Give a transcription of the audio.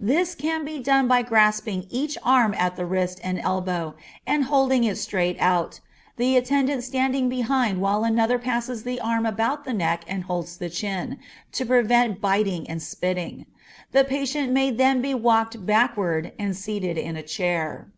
This can be done by grasping each arm at the wrist and elbow, and holding it out straight, the attendants standing behind while another passes the arm about the neck and holds the chin, to prevent biting and spitting; the patient may then be walked backward and seated in a chair.